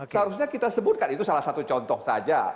seharusnya kita sebutkan itu salah satu contoh saja